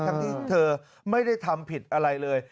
ทั้งที่เธอไม่ได้ทำผิดอะไรเลย